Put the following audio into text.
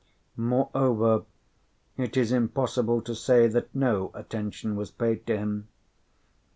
Moreover, it is impossible to say that no attention was paid to him.